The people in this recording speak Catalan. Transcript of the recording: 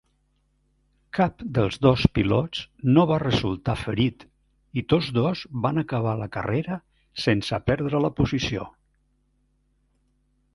Cap dels dos pilots no va resultar ferit i tots dos van acabar la carrera sense perdre la posició.